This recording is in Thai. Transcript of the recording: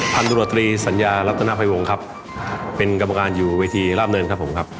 พันธุรตรีสัญญารัฐนาภัยวงครับเป็นกรรมการอยู่เวทีราบเนินครับผมครับ